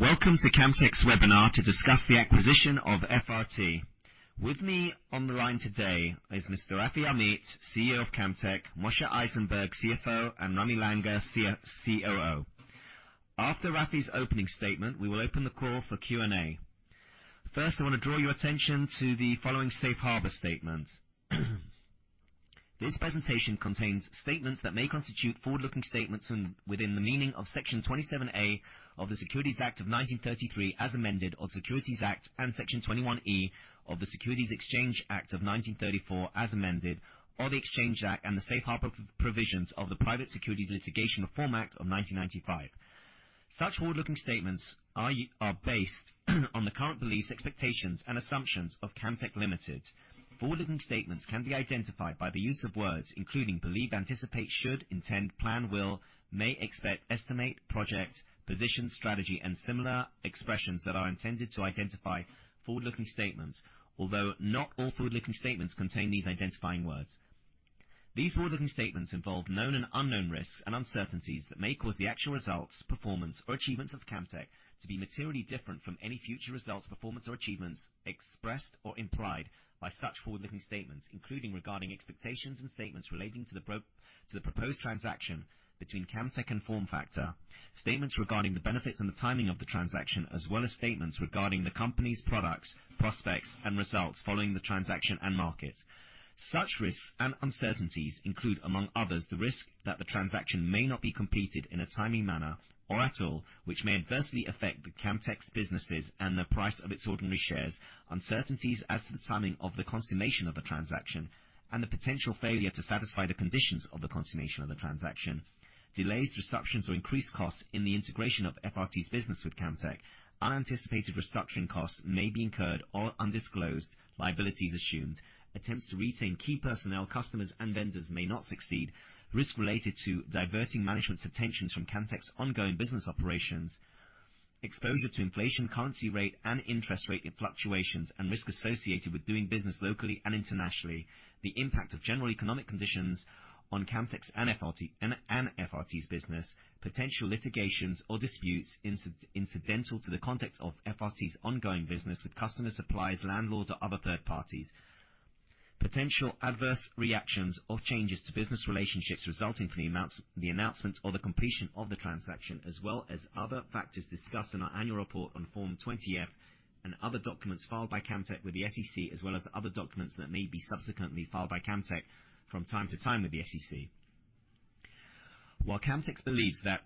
Welcome to Camtek's webinar to discuss the acquisition of FRT. With me on the line today is Mr. Rafi Amit, CEO of Camtek, Moshe Eisenberg, CFO, and Ramy Langer, COO. After Rafi's opening statement, we will open the call for Q&A. First, I want to draw your attention to the following safe harbor statement. This presentation contains statements that may constitute forward-looking statements and within the meaning of Section 27A of the Securities Act of 1933, as amended, or Securities Act, and Section 21E of the Securities Exchange Act of 1934, as amended, or the Exchange Act and the safe harbor provisions of the Private Securities Litigation Reform Act of 1995. Such forward-looking statements are based on the current beliefs, expectations and assumptions of Camtek Limited. Forward-looking statements can be identified by the use of words including: believe, anticipate, should, intend, plan, will, may expect, estimate, project, position, strategy, and similar expressions that are intended to identify forward-looking statements. Although not all forward-looking statements contain these identifying words. These forward-looking statements involve known and unknown risks and uncertainties that may cause the actual results, performance, or achievements of Camtek to be materially different from any future results, performance, or achievements expressed or implied by such forward-looking statements, including regarding expectations and statements relating to the prior to the proposed transaction between Camtek and FormFactor. Statements regarding the benefits and the timing of the transaction, as well as statements regarding the Company's products, prospects, and results following the transaction and market. Such risks and uncertainties include, among others, the risk that the transaction may not be completed in a timely manner or at all, which may adversely affect Camtek's businesses and the price of its ordinary shares, uncertainties as to the timing of the consummation of the transaction, and the potential failure to satisfy the conditions of the consummation of the transaction. Delays, disruptions, or increased costs in the integration of FRT's business with Camtek. Unanticipated restructuring costs may be incurred or undisclosed liabilities assumed. Attempts to retain key personnel, customers, and vendors may not succeed. Risk related to diverting management's attentions from Camtek's ongoing business operations, exposure to inflation, currency rate, and interest rate fluctuations and risks associated with doing business locally and internationally. The impact of general economic conditions on Camtek's and FRT's business, potential litigations or disputes incidental to the context of FRT's ongoing business with customers, suppliers, landlords, or other third parties. Potential adverse reactions or changes to business relationships resulting from the amounts, the announcement or the completion of the transaction, as well as other factors discussed in our annual report on Form 20-F and other documents filed by Camtek with the SEC, as well as other documents that may be subsequently filed by Camtek from time to time with the SEC. While Camtek believes that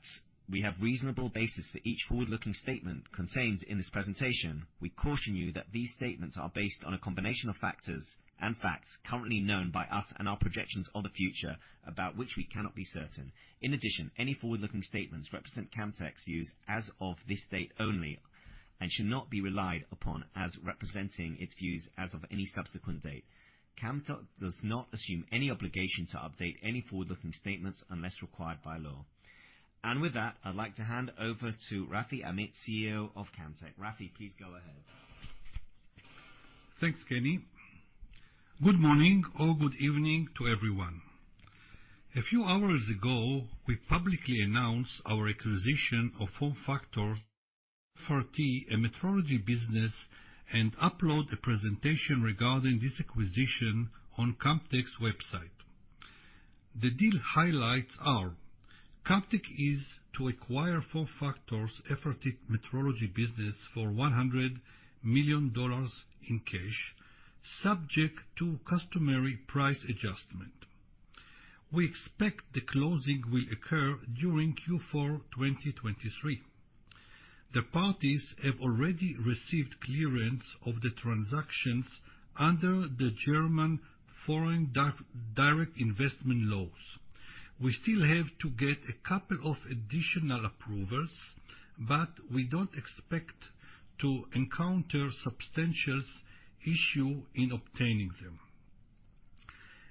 we have reasonable basis for each forward-looking statement contained in this presentation, we caution you that these statements are based on a combination of factors and facts currently known by us and our projections of the future, about which we cannot be certain. In addition, any forward-looking statements represent Camtek's views as of this date only, and should not be relied upon as representing its views as of any subsequent date. Camtek does not assume any obligation to update any forward-looking statements unless required by law. And with that, I'd like to hand over to Rafi Amit, CEO of Camtek. Rafi, please go ahead. Thanks, Kenny. Good morning or good evening to everyone. A few hours ago, we publicly announced our acquisition of FormFactor FRT, a metrology business, and upload a presentation regarding this acquisition on Camtek's website. The deal highlights are: Camtek is to acquire FormFactor's FRT metrology business for $100 million in cash, subject to customary price adjustment. We expect the closing will occur during Q4 2023. The parties have already received clearance of the transactions under the German Foreign Direct Investment Laws. We still have to get a couple of additional approvals, but we don't expect to encounter substantial issue in obtaining them.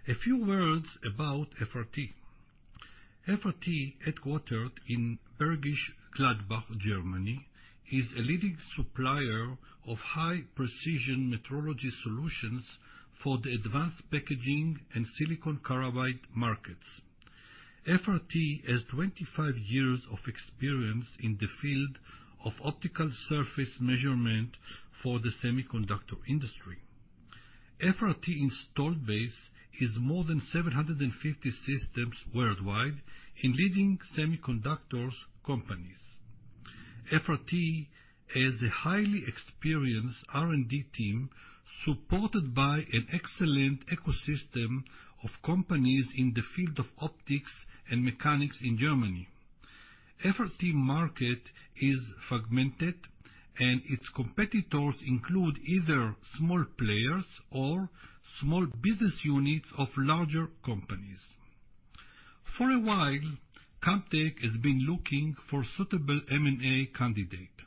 A few words about FRT. FRT, headquartered in Bergisch Gladbach, Germany, is a leading supplier of high precision metrology solutions for the advanced packaging and silicon carbide markets. FRT has 25 years of experience in the field of optical surface measurement for the semiconductor industry. FRT's installed base is more than 750 systems worldwide in leading semiconductor companies. FRT has a highly experienced R&D team, supported by an excellent ecosystem of companies in the field of optics and mechanics in Germany. FRT's market is fragmented, and its competitors include either small players or small business units of larger companies. For a while, Camtek has been looking for suitable M&A candidate,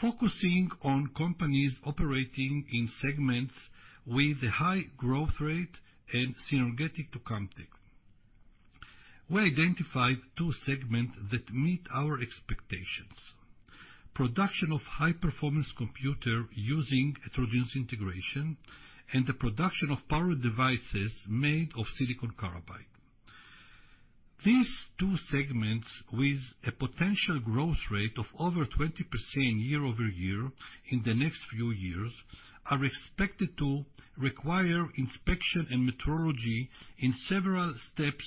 focusing on companies operating in segments with a high growth rate and synergistic to Camtek. We identified two segments that meet our expectations. Production of high-performance computer using heterogeneous integration and the production of power devices made of silicon carbide. These two segments, with a potential growth rate of over 20% year-over-year in the next few years, are expected to require inspection and metrology in several steps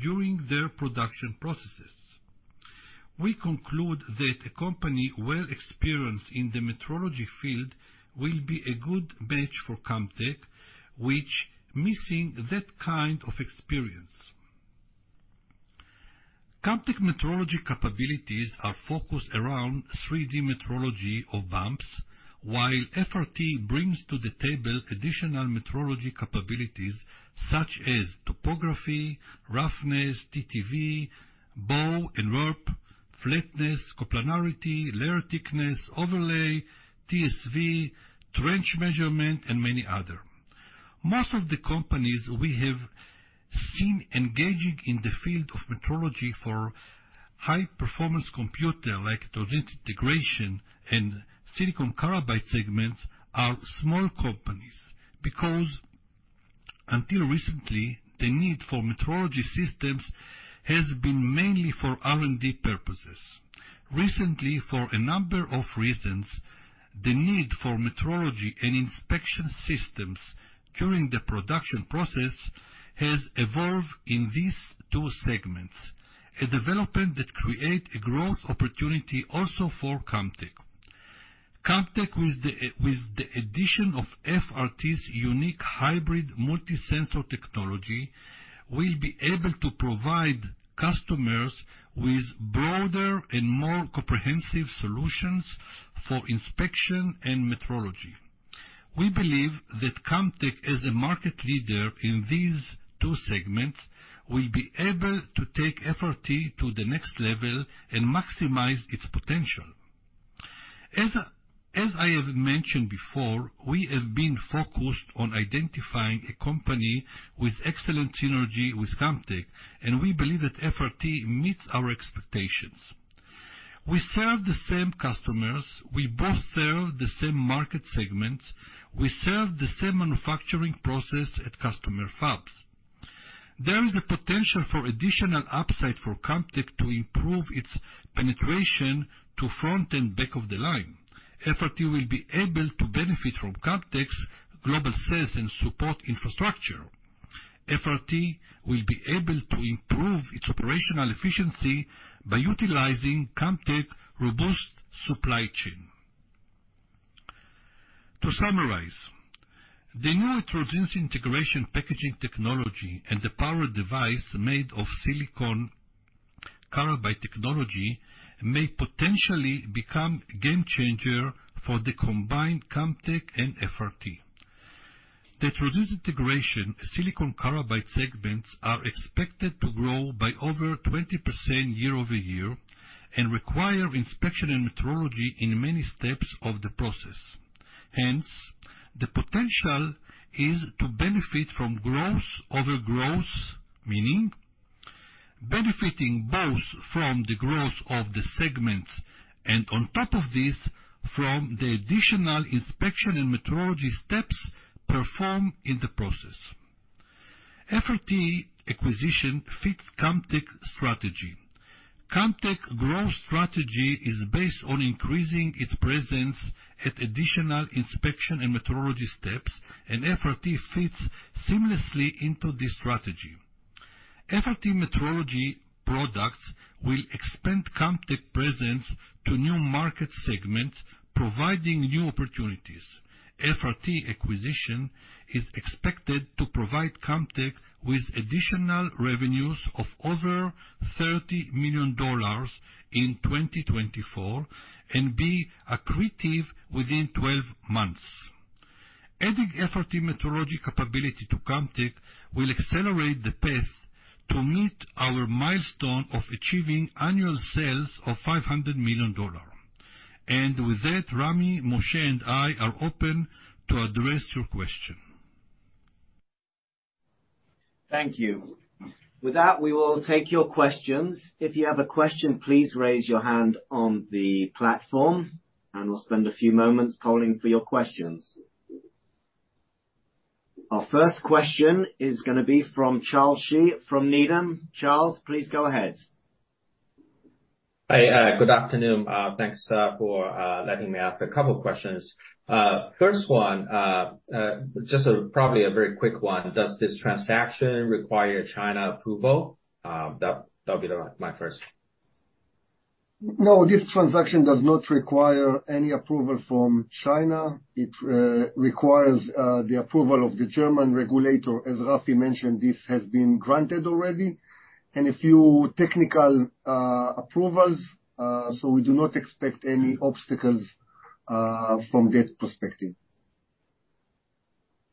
during their production processes. We conclude that a company well experienced in the metrology field will be a good match for Camtek, which is missing that kind of experience. Camtek metrology capabilities are focused around 3D metrology of bumps, while FRT brings to the table additional metrology capabilities such as topography, roughness, TTV, bow and warp, flatness, coplanarity, layer thickness, overlay, TSV, trench measurement, and many other. Most of the companies we have seen engaging in the field of metrology for high-performance computing, like heterogeneous integration and silicon carbide segments, are small companies, because until recently, the need for metrology systems has been mainly for R&D purposes. Recently, for a number of reasons, the need for metrology and inspection systems during the production process has evolved in these two segments, a development that create a growth opportunity also for Camtek. Camtek, with the addition of FRT's unique hybrid multi-sensor technology, will be able to provide customers with broader and more comprehensive solutions for inspection and metrology. We believe that Camtek, as a market leader in these two segments, will be able to take FRT to the next level and maximize its potential. As I have mentioned before, we have been focused on identifying a company with excellent synergy with Camtek, and we believe that FRT meets our expectations. We serve the same customers. We both serve the same market segments. We serve the same manufacturing process at customer fabs. There is a potential for additional upside for Camtek to improve its penetration to front and back of the line. FRT will be able to benefit from Camtek's global sales and support infrastructure. FRT will be able to improve its operational efficiency by utilizing Camtek robust supply chain. To summarize, the new heterogeneous integration packaging technology and the power device made of silicon carbide technology, may potentially become game changer for the combined Camtek and FRT. The heterogeneous integration silicon carbide segments are expected to grow by over 20% year-over-year, and require inspection and metrology in many steps of the process. Hence, the potential is to benefit from growth over growth, meaning benefiting both from the growth of the segments, and on top of this, from the additional inspection and metrology steps performed in the process. FRT acquisition fits Camtek strategy. Camtek growth strategy is based on increasing its presence at additional inspection and metrology steps, and FRT fits seamlessly into this strategy. FRT metrology products will expand Camtek presence to new market segments, providing new opportunities. FRT acquisition is expected to provide Camtek with additional revenues of over $30 million in 2024, and be accretive within 12 months. Adding FRT metrology capability to Camtek will accelerate the path to meet our milestone of achieving annual sales of $500 million. With that, Ramy, Moshe, and I are open to address your question. Thank you. With that, we will take your questions. If you have a question, please raise your hand on the platform, and we'll spend a few moments calling for your questions. Our first question is gonna be from Charles Shi from Needham. Charles, please go ahead. Hi, good afternoon. Thanks for letting me ask a couple of questions. First one, just a, probably a very quick one: Does this transaction require China approval? That, that'll be the, my first- No, this transaction does not require any approval from China. It requires the approval of the German regulator. As Rafi mentioned, this has been granted already, and a few technical approvals, so we do not expect any obstacles from that perspective.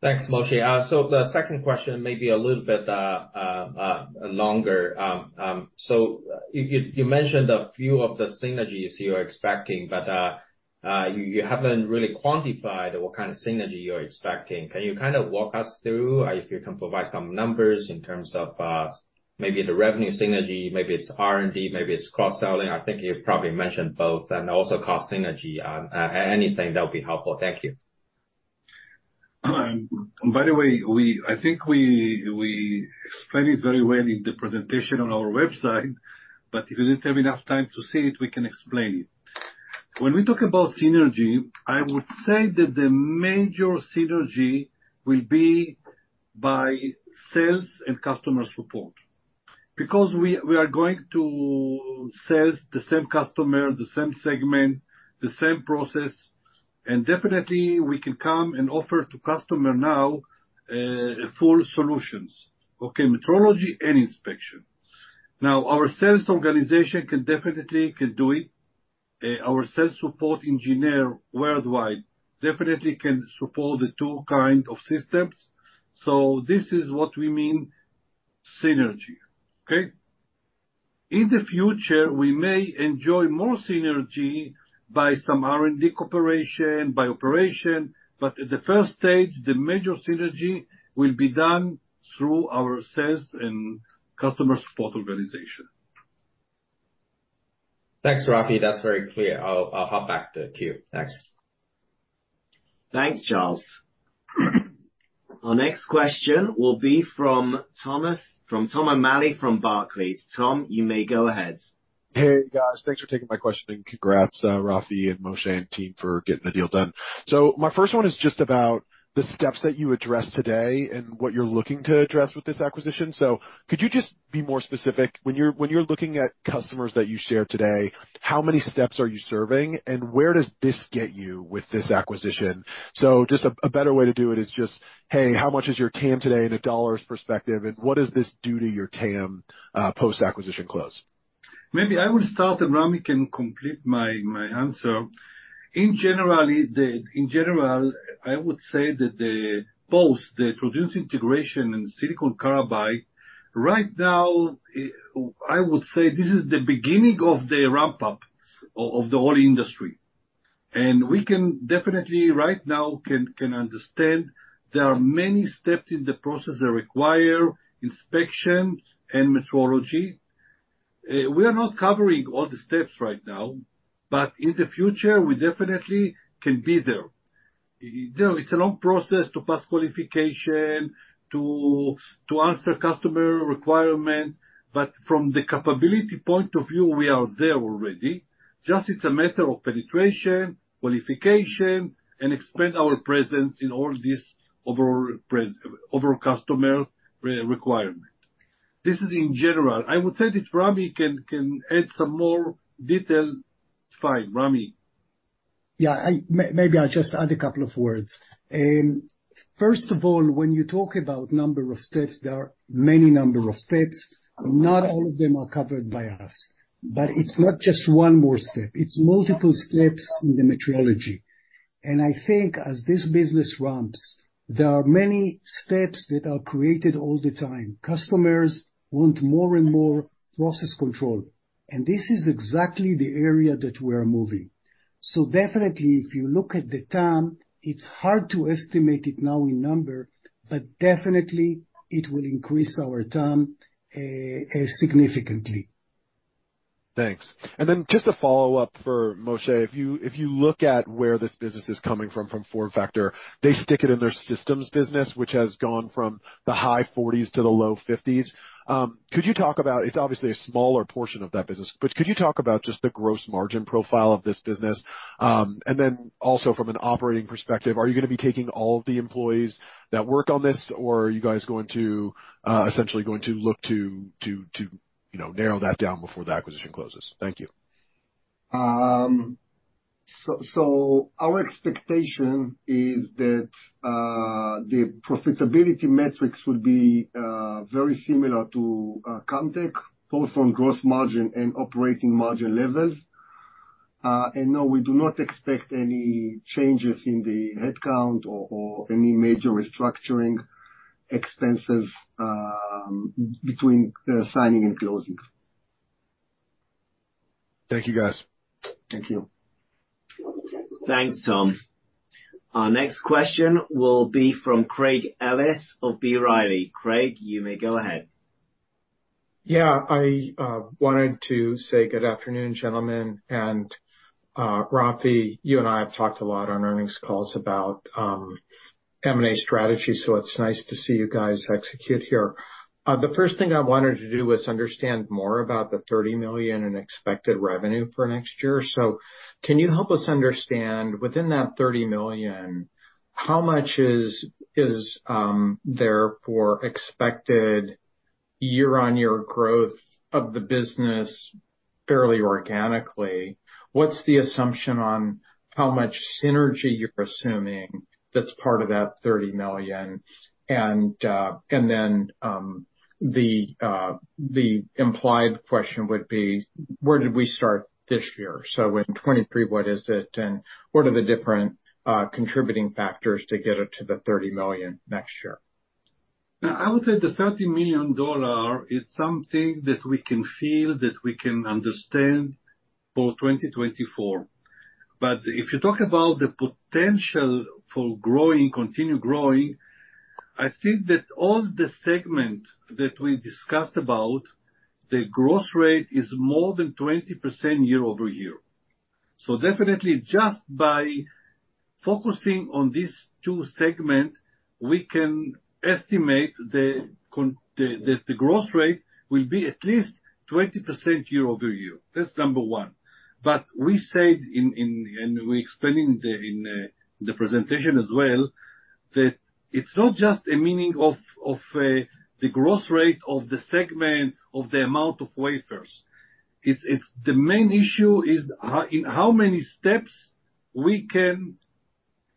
Thanks, Moshe. So the second question may be a little bit longer. So you mentioned a few of the synergies you are expecting, but you haven't really quantified what kind of synergy you're expecting. Can you kind of walk us through if you can provide some numbers in terms of maybe the revenue synergy, maybe it's R&D, maybe it's cross-selling? I think you probably mentioned both. And also cost synergy, anything that would be helpful. Thank you. By the way, I think we explained it very well in the presentation on our website, but if you didn't have enough time to see it, we can explain it. When we talk about synergy, I would say that the major synergy will be by sales and customer support, because we are going to sell the same customer, the same segment, the same process, and definitely we can come and offer to customer now full solutions, okay? Metrology and inspection. Now, our sales organization can definitely do it. Our sales support engineer worldwide definitely can support the two kind of systems. So this is what we mean synergy. Okay? In the future, we may enjoy more synergy by some R&D cooperation, by operation, but at the first stage, the major synergy will be done through our sales and customer support organization. Thanks, Rafi. That's very clear. I'll hop back to the queue. Thanks. Thanks, Charles. Our next question will be from Thomas- from Tom O'Malley, from Barclays. Tom, you may go ahead. Hey, guys. Thanks for taking my question, and congrats, Rafi and Moshe and team for getting the deal done. So my first one is just about the steps that you addressed today and what you're looking to address with this acquisition. So could you just be more specific? When you're looking at customers that you shared today, how many steps are you serving, and where does this get you with this acquisition? So just a better way to do it is just, hey, how much is your TAM today in a dollars perspective, and what does this do to your TAM post-acquisition close? Maybe I will start, and Ramy can complete my answer. In general, I would say that both the heterogeneous integration and silicon carbide, right now, I would say this is the beginning of the ramp-up of the whole industry. And we can definitely, right now, understand there are many steps in the process that require inspection and metrology. We are not covering all the steps right now, but in the future, we definitely can be there. You know, it's a long process to pass qualification, to answer customer requirement, but from the capability point of view, we are there already. Just it's a matter of penetration, qualification, and expand our presence in all this overall customer requirement. This is in general. I would say that Ramy can add some more detail. It's fine, Ramy. Yeah, maybe I'll just add a couple of words. First of all, when you talk about number of steps, there are many number of steps. Not all of them are covered by us, but it's not just one more step. It's multiple steps in the metrology. And I think as this business ramps, there are many steps that are created all the time. Customers want more and more process control, and this is exactly the area that we are moving. So definitely, if you look at the TAM, it's hard to estimate it now in number, but definitely it will increase our TAM significantly. Thanks. And then just a follow-up for Moshe: If you look at where this business is coming from, from FormFactor, they stick it in their systems business, which has gone from the high 40s to the low 50s. Could you talk about... It's obviously a smaller portion of that business, but could you talk about just the gross margin profile of this business? And then also from an operating perspective, are you gonna be taking all the employees that work on this, or are you guys going to essentially going to look to, you know, narrow that down before the acquisition closes? Thank you. So, our expectation is that the profitability metrics will be very similar to Camtek, both on gross margin and operating margin levels. And no, we do not expect any changes in the headcount or any major restructuring expenses between the signing and closing. Thank you, guys. Thank you. Thanks, Tom. Our next question will be from Craig Ellis of B. Riley. Craig, you may go ahead. Yeah. I wanted to say good afternoon, gentlemen. And, Rafi, you and I have talked a lot on earnings calls about M&A strategy, so it's nice to see you guys execute here. The first thing I wanted to do was understand more about the $30 million in expected revenue for next year. So can you help us understand, within that $30 million, how much is there for expected year-on-year growth of the business fairly organically? What's the assumption on how much synergy you're assuming that's part of that $30 million? And, and then, the implied question would be: Where did we start this year? So in 2023, what is it, and what are the different contributing factors to get it to the $30 million next year? Now, I would say the $30 million is something that we can feel, that we can understand for 2024. But if you talk about the potential for growing, continue growing, I think that all the segment that we discussed about, the growth rate is more than 20% year-over-year. So definitely just by focusing on these two segment, we can estimate the growth rate will be at least 20% year-over-year. That's number one. But we said in, in, and we explained in the presentation as well, that it's not just a meaning of the growth rate of the segment of the amount of wafers. It's the main issue is how in how many steps we can.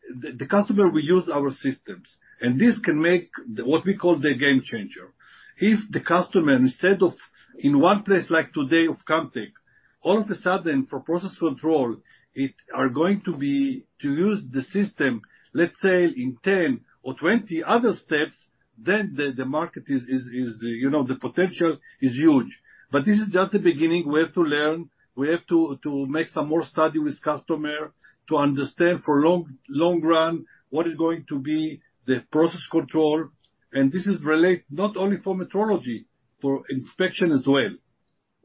The customer will use our systems, and this can make what we call the game changer. If the customer, instead of in one place like today of Camtek, all of a sudden for process control, it are going to be to use the system, let's say, in 10 or 20 other steps, then the market is, you know, the potential is huge. But this is just the beginning. We have to learn, we have to make some more study with customer to understand for long run, what is going to be the process control. And this is relate not only for metrology, for inspection as well.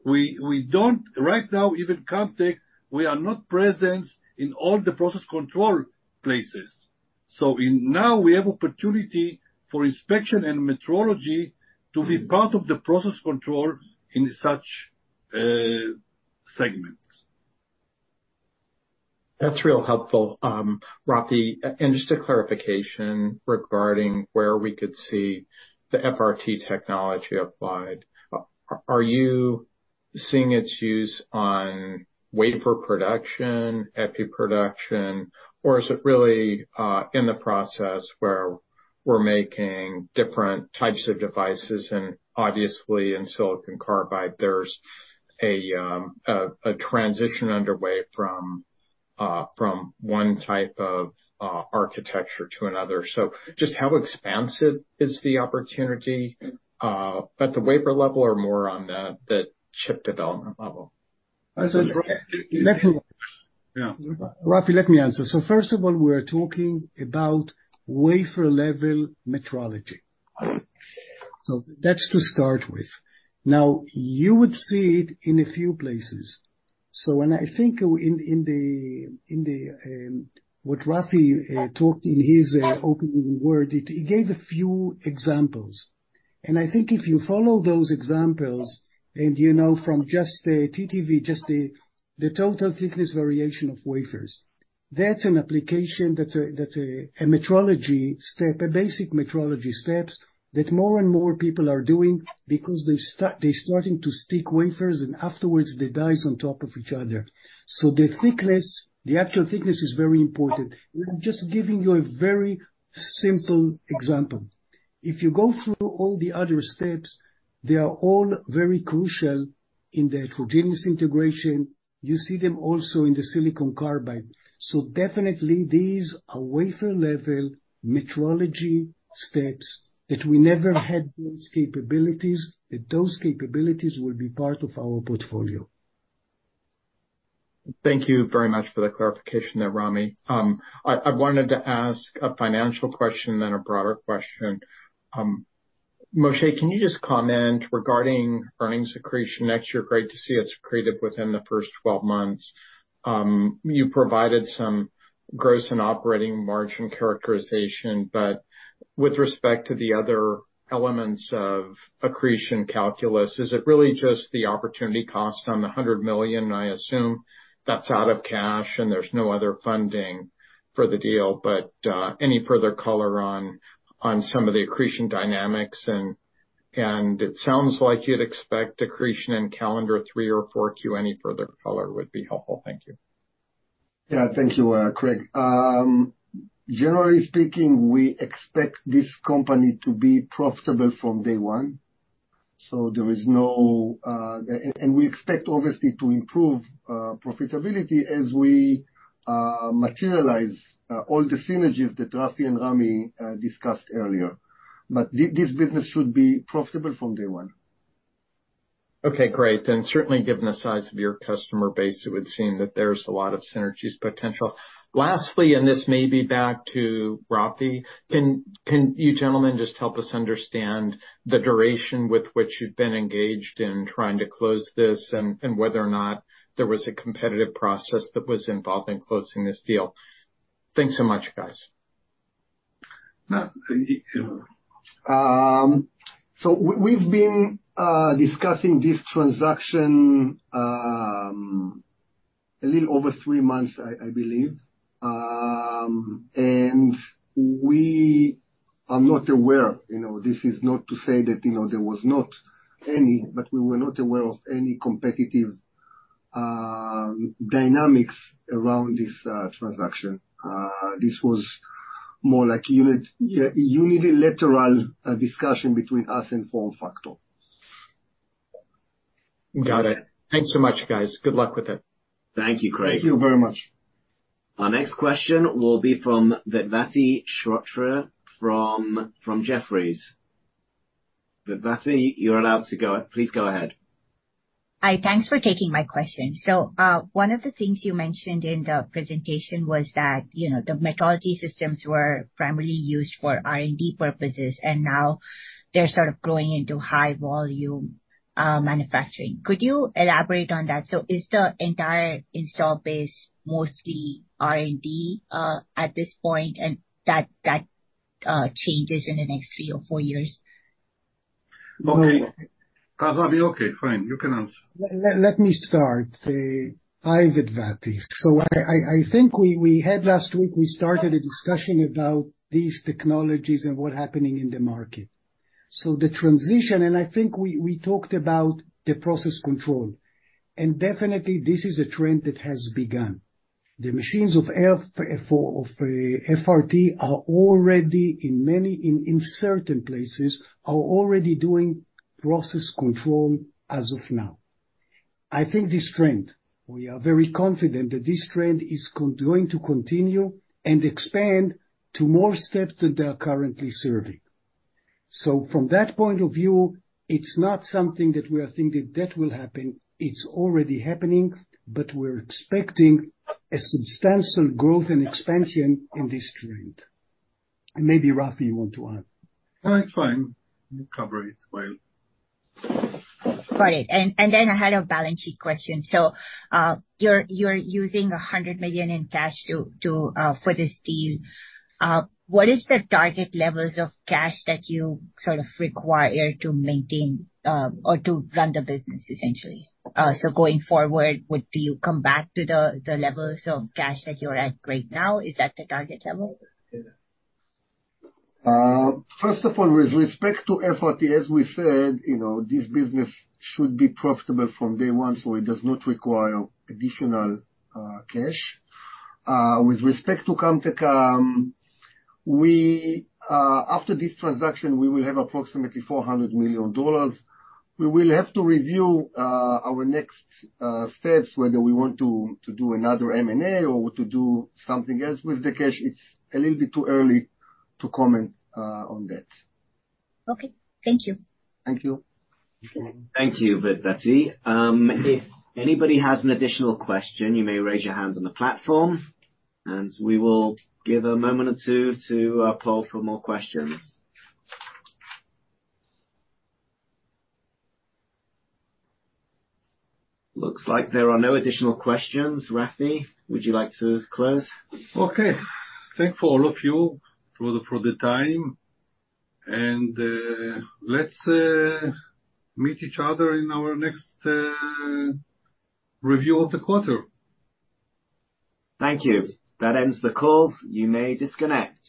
We don't right now, even Camtek, we are not present in all the process control places. So now, we have opportunity for inspection and metrology to be part of the process control in such segments. That's real helpful, Rafi. Just a clarification regarding where we could see the FRT technology applied. Are you seeing its use on wafer production, epi production, or is it really in the process where we're making different types of devices? Obviously in Silicon Carbide, there's a transition underway from one type of architecture to another. Just how expansive is the opportunity at the wafer level or more on the chip development level? Let me- Yeah. Rafi, let me answer. So first of all, we're talking about wafer-level metrology. So that's to start with. Now, you would see it in a few places. So when I think in what Rafi talked in his opening word, he gave a few examples. And I think if you follow those examples, and you know, from just the TTV, just the total thickness variation of wafers, that's an application that's a metrology step, a basic metrology steps, that more and more people are doing because they're starting to stick wafers, and afterwards, the dies on top of each other. So the thickness, the actual thickness is very important. I'm just giving you a very simple example. If you go through all the other steps, they are all very crucial in the heterogeneous integration. You see them also in the Silicon Carbide. So definitely, these are wafer-level metrology steps that we never had those capabilities, that those capabilities will be part of our portfolio. Thank you very much for the clarification there, Ramy. I wanted to ask a financial question, then a broader question. Moshe, can you just comment regarding earnings accretion next year? Great to see it's accretive within the first 12 months. You provided some gross and operating margin characterization, but with respect to the other elements of accretion calculus, is it really just the opportunity cost on the $100 million? I assume that's out of cash, and there's no other funding for the deal. Any further color on some of the accretion dynamics, and it sounds like you'd expect accretion in calendar Q3 or Q4. Any further color would be helpful. Thank you. Yeah. Thank you, Craig. Generally speaking, we expect this company to be profitable from day one, so there is no... and we expect, obviously, to improve profitability as we materialize all the synergies that Rafi and Ramy discussed earlier. But this business should be profitable from day one. Okay, great. And certainly, given the size of your customer base, it would seem that there's a lot of synergies potential. Lastly, and this may be back to Rafi, can you gentlemen just help us understand the duration with which you've been engaged in trying to close this, and whether or not there was a competitive process that was involved in closing this deal? Thanks so much, guys. So we've been discussing this transaction a little over three months, I believe. And we are not aware, you know, this is not to say that, you know, there was not any, but we were not aware of any competitive dynamics around this transaction. This was more like unilateral discussion between us and FormFactor. Got it. Thanks so much, guys. Good luck with it. Thank you, Craig. Thank you very much. Our next question will be from Vedvati Shrotre from Jefferies. Vedvati, you're allowed to go, please go ahead. Hi, thanks for taking my question. So, one of the things you mentioned in the presentation was that, you know, the metrology systems were primarily used for R&D purposes, and now they're sort of growing into high volume manufacturing. Could you elaborate on that? So is the entire installed base mostly R&D at this point, and that changes in the next three or four years? Okay. Rafi, okay, fine. You can answer. Let me start, hi, Vedvati. So I think we had last week we started a discussion about these technologies and what's happening in the market. So the transition, and I think we talked about the process control, and definitely this is a trend that has begun. The machines of FRT are already in many, in certain places, are already doing process control as of now. I think this trend, we are very confident that this trend is going to continue and expand to more steps than they are currently serving. So from that point of view, it's not something that we are thinking that will happen, it's already happening, but we're expecting a substantial growth and expansion in this trend. And maybe, Rafi, you want to add? No, it's fine. You covered it well. Got it. And then I had a balance sheet question. So, you're using $100 million in cash for this deal. What is the target levels of cash that you sort of require to maintain or to run the business essentially? So going forward, would you come back to the levels of cash that you're at right now? Is that the target level? Yeah. First of all, with respect to FRT, as we said, you know, this business should be profitable from day one, so it does not require additional cash. With respect to Camtek, we, after this transaction, we will have approximately $400 million. We will have to review our next steps, whether we want to do another M&A or to do something else with the cash. It's a little bit too early to comment on that. Okay. Thank you. Thank you. Thank you, Vedvati. If anybody has an additional question, you may raise your hand on the platform, and we will give a moment or two to poll for more questions. Looks like there are no additional questions. Rafi, would you like to close? Okay. Thanks for all of you for the time, and let's meet each other in our next review of the quarter. Thank you. That ends the call. You may disconnect.